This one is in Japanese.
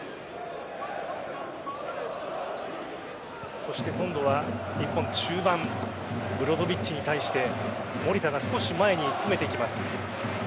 そして今度は日本、中盤ブロゾヴィッチに対して守田が少し前に詰めていきます。